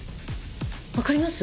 分かります？